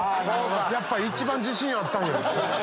やっぱ一番自信あったんや。